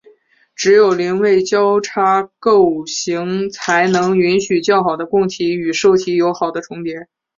只有邻位交叉构型才能允许较好的供体与受体有好的重叠。